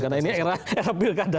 karena ini era pilkada